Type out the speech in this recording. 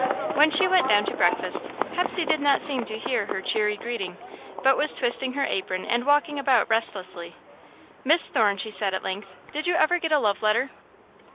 When she went down to breakfast, Hepsey did not seem to hear her cheery greeting, but was twisting her apron and walking about restlessly. "Miss Thorne," she said, at length, "did you ever get a love letter?"